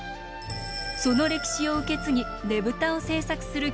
その歴史を受け継ぎねぶたを制作する北村さん。